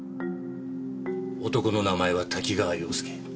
男の名前は多岐川洋介。